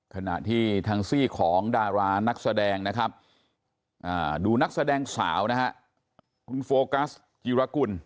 ขณะที่ทางซี่ของดารานักแสดงนะครับดูนักแสดงสาวนะฮะคุณโฟกัสจิรกุล